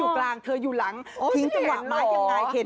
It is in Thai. อ่ะไปดูเบื้องหลังกันหน่อยจ๊ะ